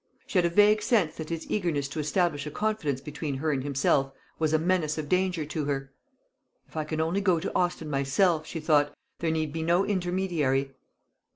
She had a vague sense that his eagerness to establish a confidence between her and himself was a menace of danger to her. "If I can only go to Austin myself," she thought, "there need be no intermediary."